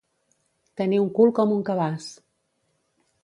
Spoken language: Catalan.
Tenir un cul com un cabàs.